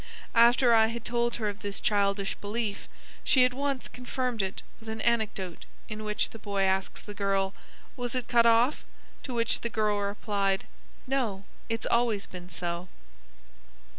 After I had told her of this childish belief, she at once confirmed it with an anecdote in which the boy asks the girl: "Was it cut off?" to which the girl replied, "No, it's always been so."